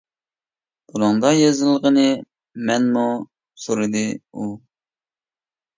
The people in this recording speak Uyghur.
— بۇنىڭدا يېزىلغىنى مەنمۇ؟ — سورىدى ئۇ.